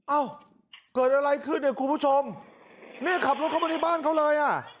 เอ้าเกิดอะไรขึ้นเนี่ยคุณผู้ชมเนี่ยขับรถเข้ามาในบ้านเขาเลยอ่ะ